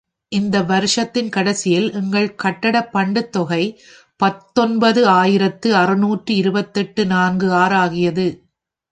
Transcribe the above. இவ்வருஷத்தின் கடைசியில் எங்கள் கட்டட பண்டுத் தொகை பத்தொன்பது ஆயிரத்து அறுநூற்று இருபத்தெட்டு நான்கு ஆறு ஆகியது.